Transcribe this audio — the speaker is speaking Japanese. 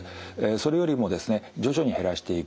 それよりもですね徐々に減らしていく。